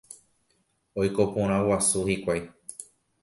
Oiko porã guasu hikuái.